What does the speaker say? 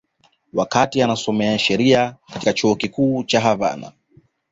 Wakati anasomea sheria katika Chuo Kikuu cha Havana